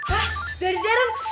hah dari darren